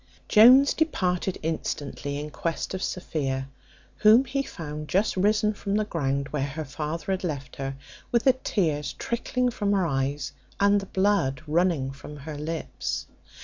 Jones departed instantly in quest of Sophia, whom he found just risen from the ground, where her father had left her, with the tears trickling from her eyes, and the blood running from her lips.